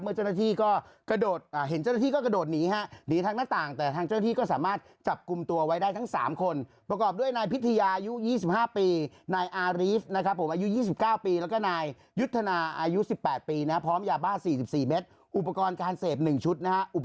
เมื่อเจ้าหน้าที่ก็กระโดดอ่าเห็นเจ้าหน้าที่ก็กระโดดหนีฮะ